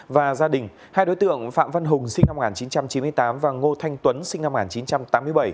và gia đình hai đối tượng phạm văn hùng sinh năm một nghìn chín trăm chín mươi tám và ngô thanh tuấn sinh năm một nghìn chín trăm tám mươi bảy